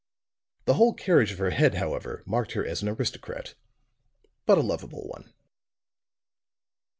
The whole carriage of her head, however, marked her as an aristocrat, but a lovable one.